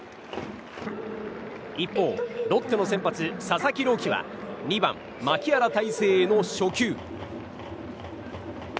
一方、ロッテの先発佐々木朗希は２番、牧原大成への初球。